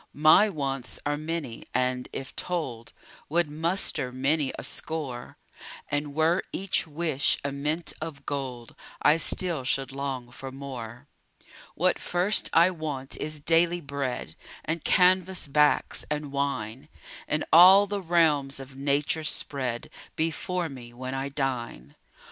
My wants are many and, if told, Would muster many a score; And were each wish a mint of gold, I still should long for more. What first I want is daily bread And canvas backs, and wine And all the realms of nature spread Before me, when I dine.